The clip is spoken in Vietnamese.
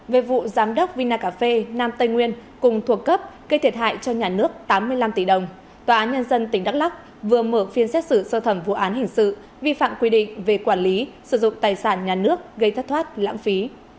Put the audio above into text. về vụ giám đốc vinaca nam tây nguyên cùng thuộc cấp gây thiệt hại cho nhà nước tám mươi năm tỷ đồng tòa án nhân dân tỉnh đắk lắc vừa mở phiên xét xử sơ thẩm vụ án hình sự vi phạm quy định về quản lý sử dụng tài sản nhà nước gây thất thoát lãng phí